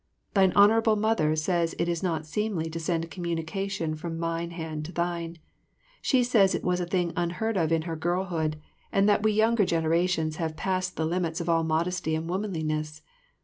Thine Honourable Mother says it is not seemly to send communication from mine hand to thine. She says it was a thing unheard of in her girlhood, and that we younger generations have passed the limits of all modesty and womanliness.